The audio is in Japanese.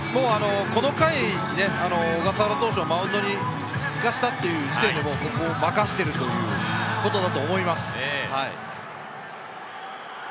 この回、小笠原投手をマウンドに行かせたという時点で任せているということだと思います。